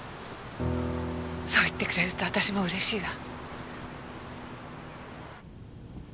そう言ってくれると私もうれしいわ。